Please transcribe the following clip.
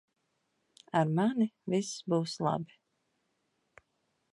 Ar mani viss būs labi.